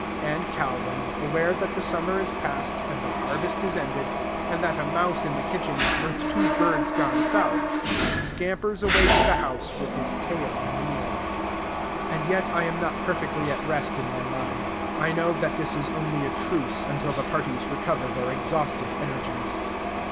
And Calvin, aware that the summer is past and the harvest is ended, and that a mouse in the kitchen is worth two birds gone south, scampers away to the house with his tail in the air. And yet I am not perfectly at rest in my mind. I know that this is only a truce until the parties recover their exhausted energies.